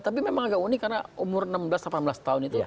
tapi memang agak unik karena umur enam belas delapan belas tahun itu